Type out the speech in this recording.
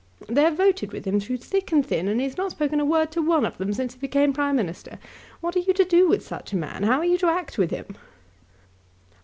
They have voted with him through thick and thin, and he has not spoken a word to one of them since he became Prime Minister. What are you to do with such a man? How are you to act with him?"